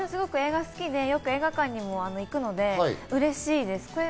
映画好きで、映画館にもよく行くので嬉しいです。